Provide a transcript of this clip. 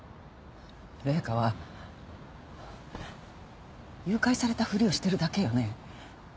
麗華は誘拐されたふりをしてるだけよね？